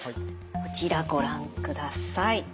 こちらご覧ください。